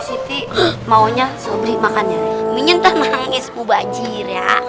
siti maunya sobri makan umi ntar manggis bubacir ya